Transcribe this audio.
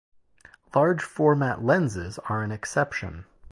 Large format lenses are an exception.